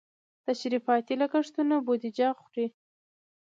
تشریفاتي لګښتونه بودیجه خوري.